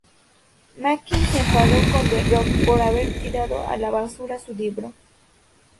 Mankind se enfadó con The Rock por haber tirado a la basura su libro.